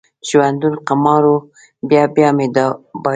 ژوندون قمار و، بیا بیا مې بایلود